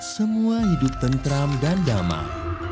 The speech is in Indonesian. semua hidup tentram dan damai